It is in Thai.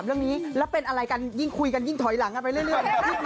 เอ้าเป็นยังไงทำไมทำแบบนี้